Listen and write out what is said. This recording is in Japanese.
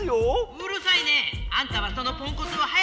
うるさいねえ！あんたはそのポンコツを早く直しな！